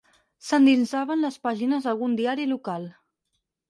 S'endinsava en les pàgines d'algun diari local.